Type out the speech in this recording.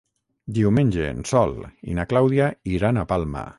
Diumenge en Sol i na Clàudia iran a Palma.